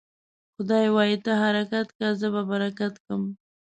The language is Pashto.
خداى وايي: ته حرکت که ، زه به برکت کم.